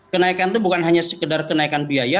kenaikan itu bukan hanya sekedar kenaikan biaya